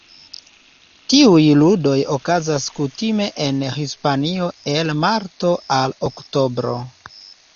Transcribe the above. Tiuj ludoj okazas kutime en Hispanio el marto al oktobro.